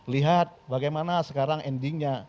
lihat bagaimana sekarang endingnya